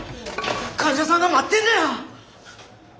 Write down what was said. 患者さんが待ってんねや！